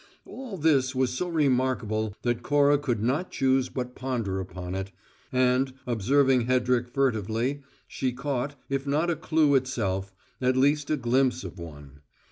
All this was so remarkable that Cora could not choose but ponder upon it, and, observing Hedrick furtively, she caught, if not a clue itself, at least a glimpse of one.